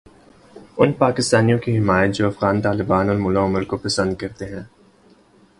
ان پاکستانیوں کی حمایت جوافغان طالبان اور ملا عمر کو پسند کرتے ہیں۔